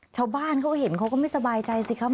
ชาวบ้านเขาเห็นเขาก็ไม่สบายใจสิครับ